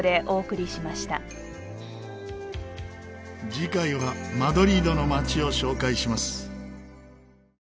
次回はマドリードの街を紹介します。